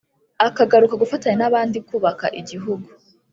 akagaruka gufatanya n’abandi kubaka igihugu.